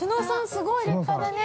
すごい立派だね。